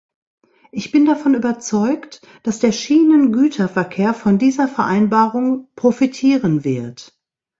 Ich bin davon überzeugt, dass der Schienengüterverkehr von dieser Vereinbarung profitieren wird.